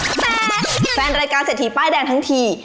แฟนแฟนรายการเศรษฐีป้ายแดงทั้งที